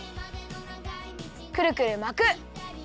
くるくるまく！